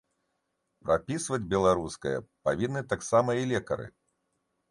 Прапісваць беларускае павінны таксама і лекары.